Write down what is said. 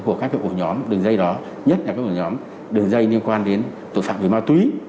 của các ổ nhóm đường dây đó nhất là các ổ nhóm đường dây liên quan đến tội phạm về ma túy